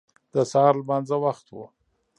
د سهار لمانځه وخت و.